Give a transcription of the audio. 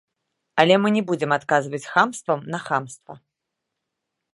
Але мы не будзем адказваць хамствам на хамства.